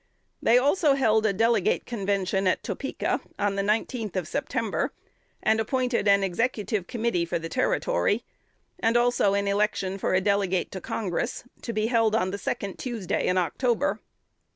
They also held a Delegate Convention at Topeka, on the 19th of September, and appointed an Executive Committee for the Territory; and also an election for a Delegate to Congress, to be held on the second Tuesday in October.